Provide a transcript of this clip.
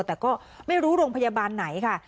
แต่ก็ไม่รู้โรงพยาบาลไหนค่ะ